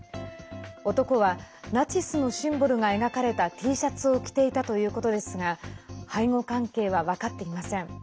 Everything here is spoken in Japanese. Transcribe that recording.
男はナチスのシンボルが描かれたＴシャツを着ていたということですが背後関係は分かっていません。